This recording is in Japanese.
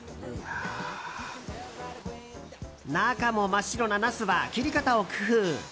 中も真っ白なナスは切り方を工夫。